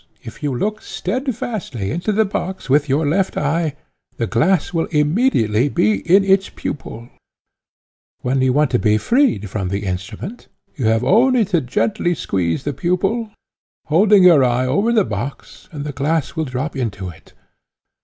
If you look steadfastly into the box with your left eye, the glass will immediately be in its pupil; when you want to be freed from the instrument, you have only to gently squeeze the pupil, holding your eye over the box, and the glass will drop into it.